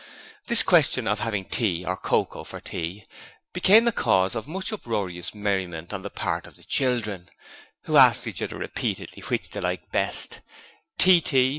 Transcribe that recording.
This question of having tea or cocoa for tea became a cause of much uproarious merriment on the part of the children, who asked each other repeatedly which they liked best, 'tea tea?'